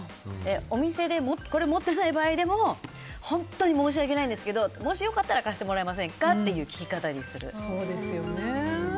お店で、持ってない場合でも本当に申し訳ないんですけどもし良かったら貸してもらえませんかという聞き方にする。